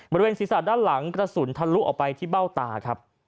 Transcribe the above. บริเวณศีรษะด้านหลังกระสุนทะลุออกไปที่เบ้าตาครับ